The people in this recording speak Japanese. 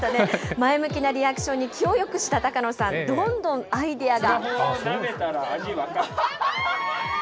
前向きなリアクションに気をよくした高野さん、どんどんアイデアが。